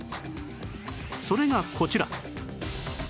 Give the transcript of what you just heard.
それがこちら